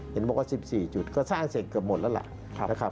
เห็นบอกว่า๑๔จุดก็สร้างเสร็จเกือบหมดแล้วล่ะนะครับ